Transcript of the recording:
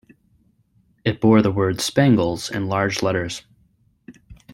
It bore the word "Spangles" in large letters.